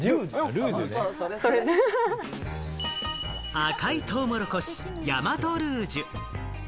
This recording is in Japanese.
赤いトウモロコシ・大和ルージュ。